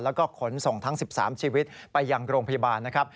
แล้วก็ขนส่งทั้ง๑๓ชีวิตไปยังโรงพยาบาลนะครับ